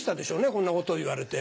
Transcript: こんなことを言われて。